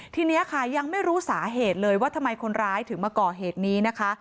ทีนี้ค่ะยังไม่รู้สาเหตุเลยว่าทำไมคนร้ายถึงมาก่อเหตุนี้นะคะ